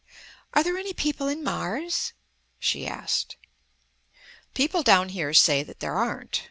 "Are there any people in Mars?" she asked. "People down here say that there aren't.